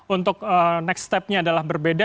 untuk next stepnya adalah berbeda